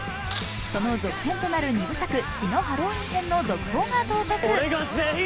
その続編となる２部作「血のハロウィン編」の続報が到着。